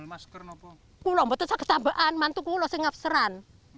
aku lomba aku tak ketahuan mantu pula saya ngap seran